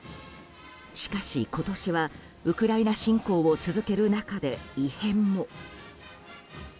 しかし、今年はウクライナ侵攻を続ける中で異変も。